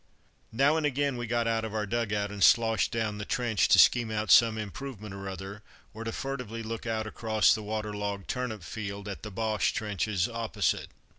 Now and again we got out of our dug out and sloshed down the trench to scheme out some improvement or other, or to furtively look out across the water logged turnip field at the Boche trenches opposite.